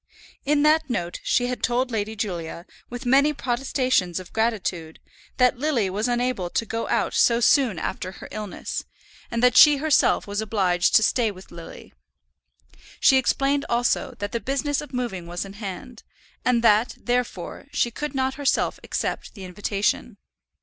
In that note she had told Lady Julia, with many protestations of gratitude, that Lily was unable to go out so soon after her illness, and that she herself was obliged to stay with Lily. She explained also, that the business of moving was in hand, and that, therefore, she could not herself accept the invitation.